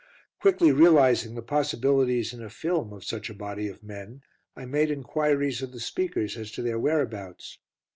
Quickly realising the possibilities in a film of such a body of men, I made enquiries of the speakers as to their whereabouts.